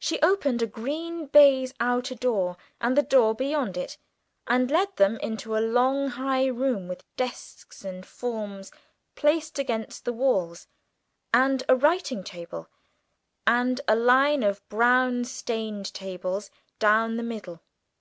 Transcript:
She opened a green baize outer door, and the door beyond it, and led them into a long high room, with desks and forms placed against the walls, and a writing table, and line of brown stained tables down the middle.